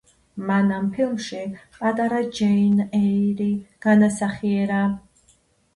მან ამ ფილმში პატარა ჯეინ ეირი განასახიერა.